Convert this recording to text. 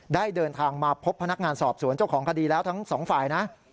ได้เดินทางมาพบพนักงานสอบสวนเจ้าของคดีแล้วทั้งสองฝ่ายนะ